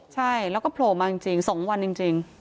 ใช่แล้วก็โผล่มาจริง๒วันจริง